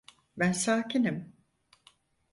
Ben sakinim!